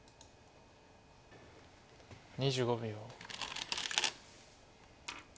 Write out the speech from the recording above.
２５秒。